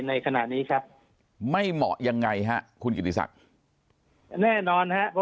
ในขณะนี้ครับไม่เหมาะยังไงครับคุณอิตถีศัพท์แน่นอนครับ